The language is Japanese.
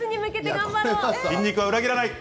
筋肉は裏切らない。